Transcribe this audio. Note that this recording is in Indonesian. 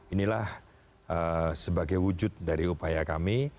inilah sebagai wujud dari upaya kami